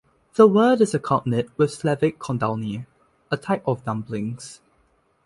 The word is a cognate with Slavic "kolduny", a type of dumplings.